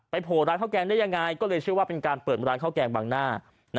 โผล่ร้านข้าวแกงได้ยังไงก็เลยเชื่อว่าเป็นการเปิดร้านข้าวแกงบางหน้า